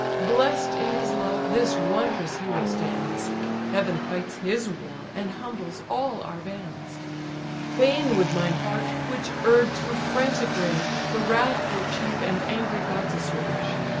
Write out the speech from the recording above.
Bless'd in his love, this wondrous hero stands; Heaven fights his war, and humbles all our bands. Fain would my heart, which err'd through frantic rage, The wrathful chief and angry gods assuage.